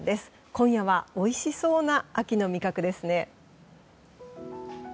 今夜はおいしそうな秋の味覚ですね。